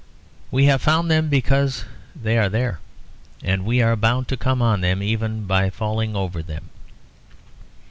We have found them because they are there; and we are bound to come on them even by falling over them.